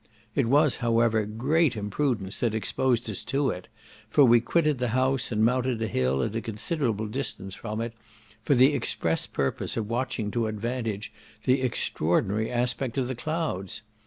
It was, however, great imprudence that exposed us to it, for we quitted the house, and mounted a hill at a considerable distance from it, for the express purpose of watching to advantage the extraordinary aspect of the clouds.